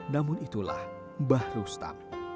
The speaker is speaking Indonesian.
namun itulah mbah rustam